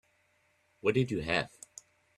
What did you have?